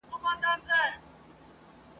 په څو ورځو کي پخه انډیوالي سوه ..